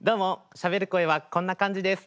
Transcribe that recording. しゃべる声はこんな感じです。